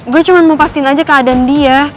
gue cuma mau pastiin aja keadaan dia